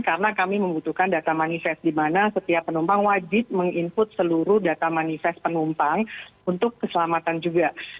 karena kami membutuhkan data manifest di mana setiap penumpang wajib meng input seluruh data manifest penumpang untuk keselamatan juga